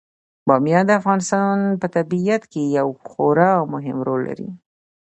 بامیان د افغانستان په طبیعت کې یو خورا مهم رول لري.